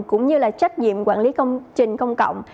cũng như là trách nhiệm quản lý công trình công cộng